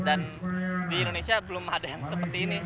dan di indonesia belum ada yang seperti ini